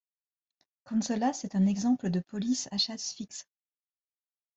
Consolas est un exemple de police à chasse fixe.